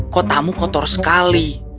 kotamu kotor sekali